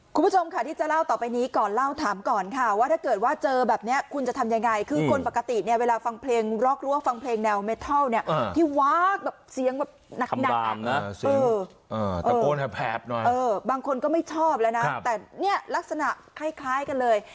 คุณผู้ชมค่ะที่จะเล่าต่อไปนี้ก่อนเล่าถามก่อนค่ะว่าถ้าเกิดว่าเจอแบบนี้คุณจะทำยังไงคือคนปกติเนี่ยเวลาฟังเพลงร็กรั้วฟังเพลงแนวเมทัลเนี่ยที่วากแบบเสียงแบบหนักนะตะโกนแหบหน่อยเออบางคนก็ไม่ชอบแล้วนะแต่เนี่ยลักษณะคล้ายกันเลย